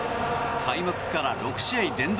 開幕から６試合連続